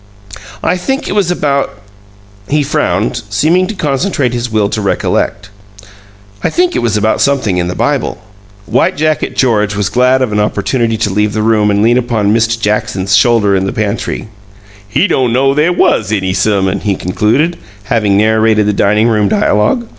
"I think it was about " He frowned, seeming to concentrate his will to recollect. "I think it was about something in the Bible." White jacket George was glad of an opportunity to leave the room and lean upon Mist' Jackson's shoulder in the pantry. "He don't know they WAS any suhmon!" he concluded, having narrated the dining room dialogue.